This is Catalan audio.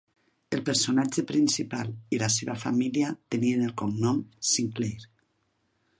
El personatge principal i la seva família tenien el cognom Sinclair.